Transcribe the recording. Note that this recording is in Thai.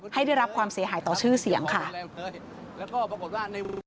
ให้ได้รับความเสียหายต่อชื่อเสียงค่ะ